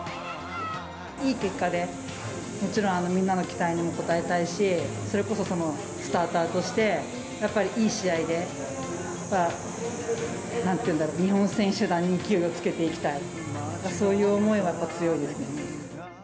いい結果で、もちろんみんなの期待にも応えたいし、それこそスターターとして、やっぱりいい試合で、なんて言うんだろう、日本選手団に勢いをつけていきたい、そういう思いはやっぱり強いですね。